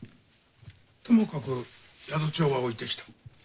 ともかく宿帳は置いてきた。